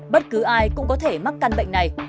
bất cứ ai cũng có thể mắc căn bệnh này